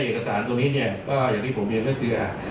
ตกนี้ในเอกสารตัวนี้เนี่ยก็อย่างที่ผมเรียกกับที่คือ